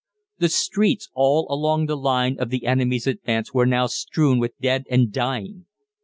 The streets all along the line of the enemy's advance were now strewn with dead and dying.